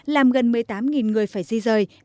làm gần một mươi tám người phải di rời